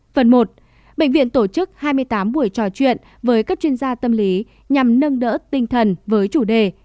phần một bệnh viện tổ chức hai mươi tám buổi trò chuyện với các chuyên gia tâm lý nhằm nâng đỡ tinh thần với chủ đề